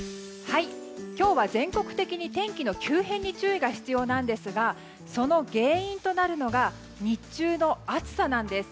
今日は全国的に天気の急変に注意が必要なんですがその原因となるのが日中の暑さなんです。